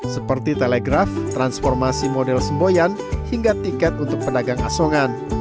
seperti telegraf transformasi model semboyan hingga tiket untuk pedagang asongan